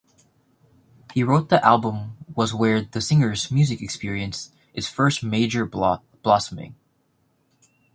He wrote the album was where the singer's music experienced its first major blossoming.